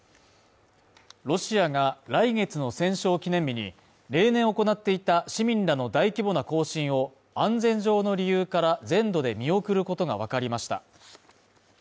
ロシアが来月の戦勝記念日に、例年行っていた市民らの大規模な行進を安全上の理由から全土で見送ることがわかりました。